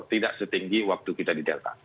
tidak setinggi waktu kita di delta